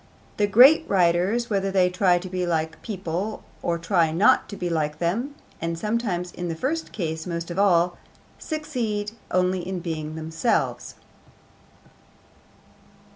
The great writers, whether they try to be like other people or try not to be like them (and sometimes in the first case most of all), succeed only in being themselves.